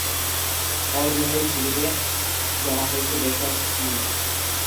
অর্জনের ঝুলিতে জমা হয়েছে বেশ কয়েকটি কি?